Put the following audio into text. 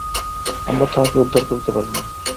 আমরা তাহাকে উদ্ধার করিতে পারি না।